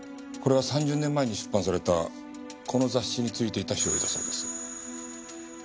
これは３０年前に出版されたこの雑誌に付いていたしおりだそうです。